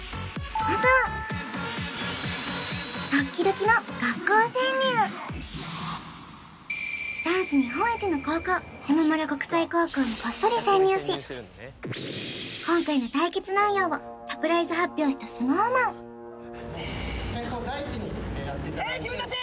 まずはダンス日本一の高校山村国際高校にこっそり潜入し今回の対決内容をサプライズ発表したＳｎｏｗＭａｎせのヘイ君たち！